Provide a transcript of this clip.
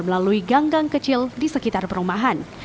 melalui ganggang kecil di sekitar perumahan